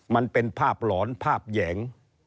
มันเป็นภาพหลอนภาพแหยง